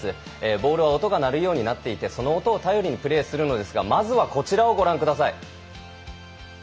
ボールは音が鳴るようになっていてその音を頼りにプレーするのですがまずはこちらをご覧ください。